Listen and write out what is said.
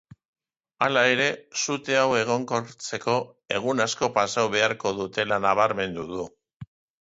Halere, sute hau egonkortzeko egun askok pasatu beharko dutela nabarmendu du.